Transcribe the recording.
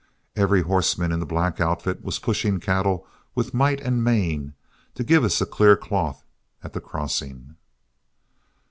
Every horseman in the black outfit was pushing cattle with might and main, to give us a clean cloth at the crossing.